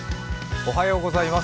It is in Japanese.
おはようございます。